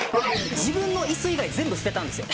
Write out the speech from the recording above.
自分の椅子以外全部捨てたんですよ。